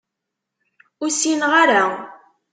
Ur ssineɣ ara.